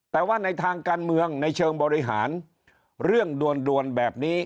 แต่ว่าในทางการเมืองในเชิงบริหารเรื่องด่วนแบบนี้